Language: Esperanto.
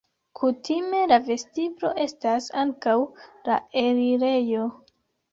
Kutime la vestiblo estas ankaŭ la elirejo.